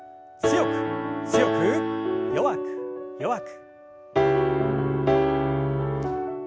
強く強く弱く弱く。